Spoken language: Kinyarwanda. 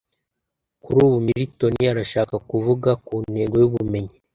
Kuri ubu Milton arashaka kuvuga kuntego yubumenyi